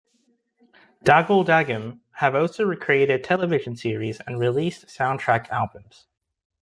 Dagoll Dagom have also created television series and released soundtrack albums.